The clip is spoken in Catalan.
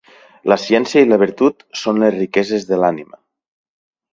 La ciència i la virtut són les riqueses de l'ànima.